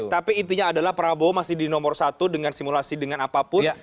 tapi intinya adalah prabowo masih di nomor satu dengan simulasi dengan apapun